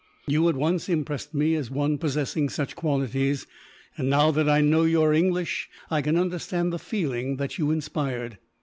You at once impressed me as one possessing such qualities and, now that I know you are English, I can understand the feeling that you inspired.